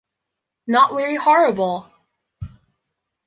Not very horrible.